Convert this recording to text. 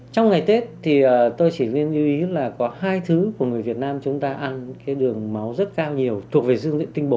trong ngày tết thì tôi chỉ nên lưu ý là có hai thứ của người việt nam chúng ta ăn cái đường máu rất cao nhiều thuộc về dương diện tinh bột